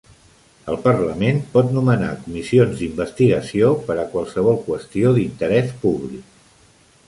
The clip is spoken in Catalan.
El parlament pot nomenar comissions d'investigació per a qualsevol qüestió d'interès públic.